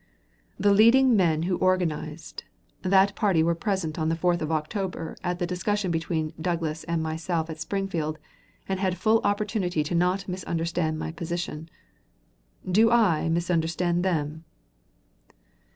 The leading men who organized, that party were present on the 4th of October at the discussion between Douglas and myself at Springfield and had full opportunity to not misunderstand my position. Do I misunderstand them?"